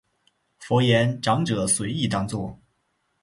佛言长者随意当作。